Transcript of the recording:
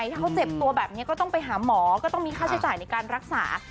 ถ้าเขาเจ็บตัวแบบนี้ก็ต้องไปหาหมอก็ต้องมีค่าใช้จ่ายในการรักษา